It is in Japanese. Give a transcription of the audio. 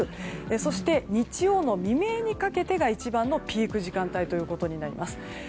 そして日曜の未明にかけてが一番のピーク時間帯となります。